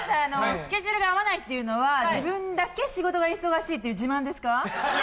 スケジュールが合わないっていうのは自分だけ仕事が忙しいっていう自慢ですか？